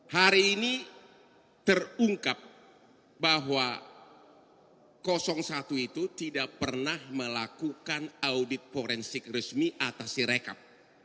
hari ini terungkap bahwa satu itu tidak pernah melakukan audit forensik resmi atas sirekap